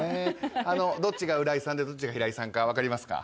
どっちが浦井さんでどっちが平井さんか分かりますか？